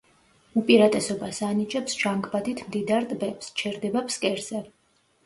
უპირატესობას ანიჭებს ჟანგბადით მდიდარ ტბებს, ჩერდება ფსკერზე.